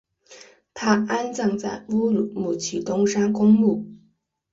他安葬在乌鲁木齐东山公墓。